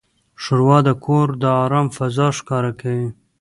ښوروا د کور د آرام فضا ښکاره کوي.